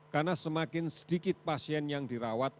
karena semakin sedikit pasien yang dirawat